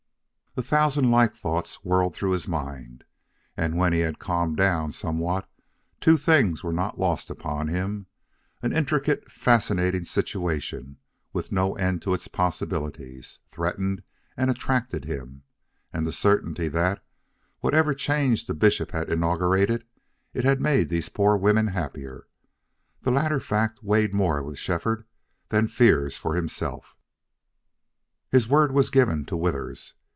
A thousand like thoughts whirled through his mind. And when he had calmed down somewhat two things were not lost upon him an intricate and fascinating situation, with no end to its possibilities, threatened and attracted him and the certainty that, whatever change the bishop had inaugurated, it had made these poor women happier. The latter fact weighed more with Shefford than fears for himself. His word was given to Withers.